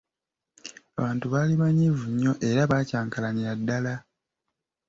Abantu baali banyiivu nnyo era baakyankalanira ddala.